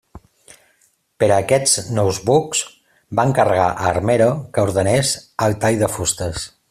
Per a aquests nous bucs va encarregar a Armero que ordenés el tall de fustes.